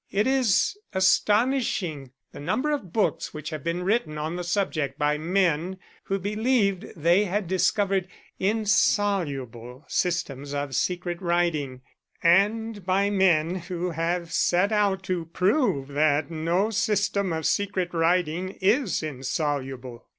It is astonishing the number of books which have been written on the subject by men who believed they had discovered insoluble systems of secret writing, and by men who have set out to prove that no system of secret writing is insoluble.